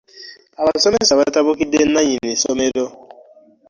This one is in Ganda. Abasomesa batabukidde nnannyini ssomero.